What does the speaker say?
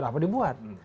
buat apa dibuat